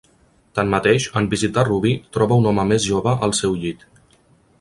Tanmateix, en visitar Ruby, troba un home més jove al seu llit.